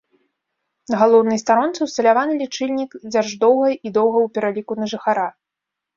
На галоўнай старонцы ўсталяваны лічыльнік дзярждоўга і доўга ў пераліку на жыхара.